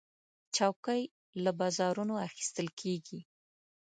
چوکۍ له بازارونو اخیستل کېږي.